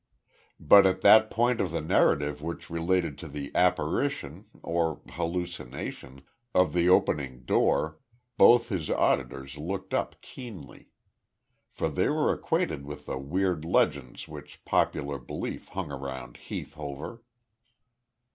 But at that part of the narrative which related to the apparition or hallucination of the opening door, both his auditors looked up keenly. For they were acquainted with the weird legends which popular belief hung around Heath Hover.